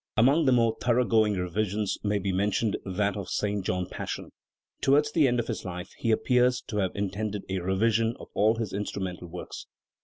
Among the more thorough going revisions may be mentioned that of the St. John Passion. Towards the end of his life he appears to have intended a revision of all his instrumental works.